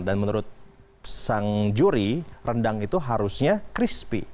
dan menurut sang juri rendang itu harusnya crispy